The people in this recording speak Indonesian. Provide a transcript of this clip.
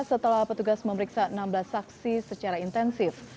setelah petugas memeriksa enam belas saksi secara intensif